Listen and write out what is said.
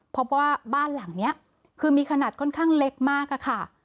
พบว่าบ้านหลังนี้คือมีขนาดค่อนข้างเล็กมากอะค่ะ